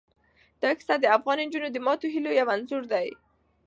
دا کیسه د افغان نجونو د ماتو هیلو یو انځور دی.